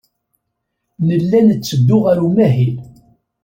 Nella netteddu ɣer umahil.